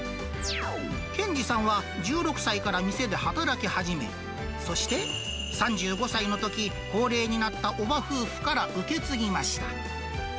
健次さんは１６歳から店で働き始め、そして、３５歳のとき、高齢になったおば夫婦から受け継ぎました。